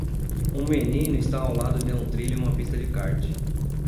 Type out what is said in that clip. Um menino está ao lado de um trilho em uma pista de kart.